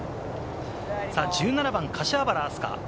１７番、柏原明日架。